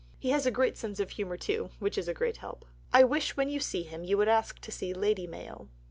He has a great sense of humour, too, which is a great help. I wish, when you see him, you would ask to see Lady Mayo.